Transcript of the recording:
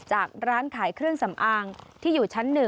ร้านขายเครื่องสำอางที่อยู่ชั้น๑